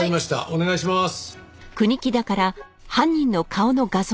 お願いします。